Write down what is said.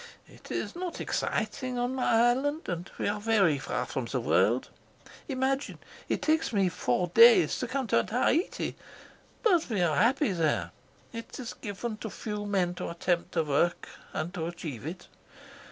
", it is not exciting on my island, and we are very far from the world imagine, it takes me four days to come to Tahiti but we are happy there. It is given to few men to attempt a work and to achieve it.